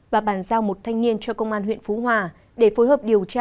và bàn giao một thanh niên cho công an huyện phú hòa để phối hợp điều tra